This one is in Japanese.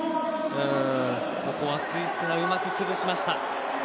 ここはスイスがうまく崩しました。